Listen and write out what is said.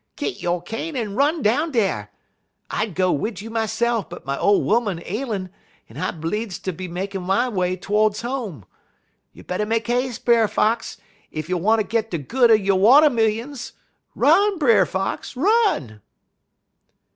Git yo' cane en run down dar. I'd go wid you myse'f, but my ole 'oman ailin' en I bleedz ter be makin' my way todes home. You better make 'a'se, Brer Fox, ef you wanter git de good er yo' watermillions. Run, Brer Fox! run!'